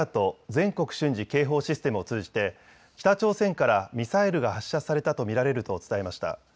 ・全国瞬時警報システムを通じて北朝鮮からミサイルが発射されたと見られると伝えました。